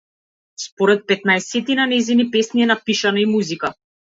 Според петнаесетина нејзини песни е напишана и музика.